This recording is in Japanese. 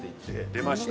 出ました。